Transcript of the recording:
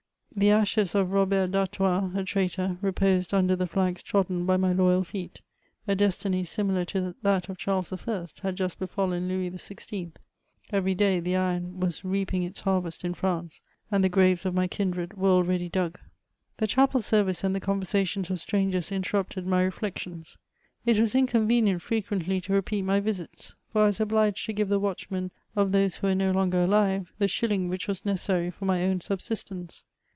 The ashes of Robert d'Artms, a traitor, reposed under the flags trodden by my loyal feet. A destiny, sdmilar to that of Charles I., had just befallen Louis XVL; every day the iron was reaping its harvest in France, and the graves of my kindred were already dug. The chi^id servioe and the oonversaticms of strangers inter rupted my reflections. It was inconvenient firequently to re peat my visits, for I was obliged to give the watdbmen of ihose who were no longer alive, the shilling which vras necessary for my own subsistence.